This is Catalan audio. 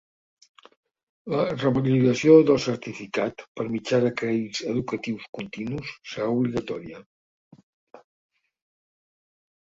La revalidació del certificat, per mitjà de crèdits educatius continus, serà obligatòria.